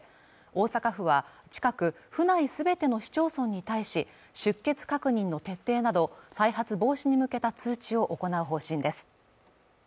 大阪府は近く府内すべての市町村に対し出欠確認の徹底など再発防止に向けた通知を行う方針です